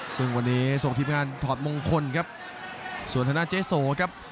ทรวงที่ทดมงคลครับสวนตนาทเจสโอครับ